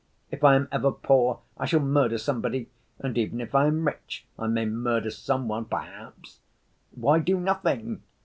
If I am ever poor, I shall murder somebody, and even if I am rich, I may murder some one, perhaps—why do nothing!